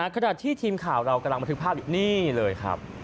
ขณะที่ทีมข่าวเรากำลังบันทึกภาพอยู่นี่เลยครับ